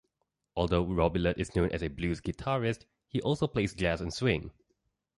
Although Robillard is known as a blues guitarist, he also plays jazz and swing.